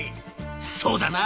「そうだな